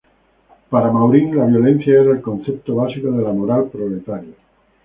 Para Maurín, la violencia era el concepto básico de la moral proletaria.